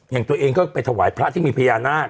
อย่างตัวเองก็ไปถวายพระที่มีพญานาค